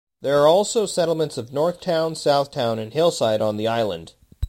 There are also settlements of Northtown, Southtown and Hillside on the island.